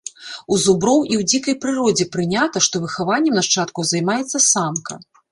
У зуброў і ў дзікай прыродзе прынята, што выхаваннем нашчадкаў займаецца самка.